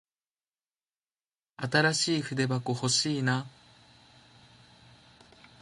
新しい筆箱欲しいな。